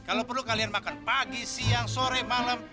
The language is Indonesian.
kalau perlu kalian makan pagi siang sore malam